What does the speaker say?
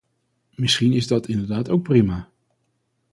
Misschien is dat inderdaad ook prima.